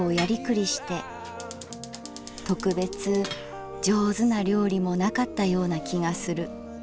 特別上手な料理もなかったような気がする。